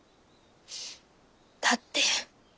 だって。